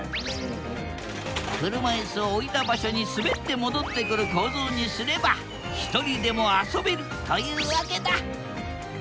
車いすを置いた場所にすべって戻ってくる構造にすればひとりでも遊べるというわけだ。